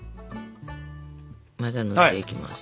まずは塗っていきます。